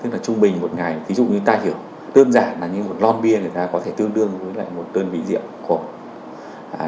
và trung bình một ngày ví dụ như ta hiểu tương giản là như một lon bia người ta có thể tương đương với lại một đơn vị rượu của